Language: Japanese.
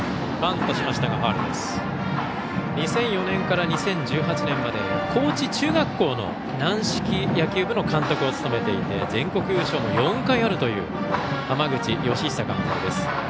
２００４年から２０１８年まで高知中学校の軟式野球部の監督を務めていて全国優勝も４回あるという浜口佳久監督です。